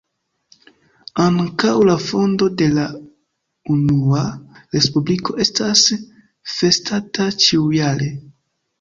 Ankaŭ la fondo de la Unua Respubliko estas festata ĉiujare.